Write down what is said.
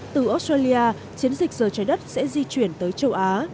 từ australia chiến dịch giờ trái đất sẽ di chuyển tới châu á